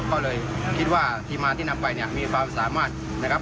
ก็เลยก็คิดว่าทีมารที่นำไปมีความสามารถ